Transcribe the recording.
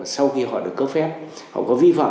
sau khi họ được cấp phép họ có vi phạm